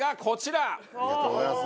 ありがとうございます！